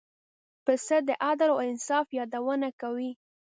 پسه د عدل او انصاف یادونه کوي.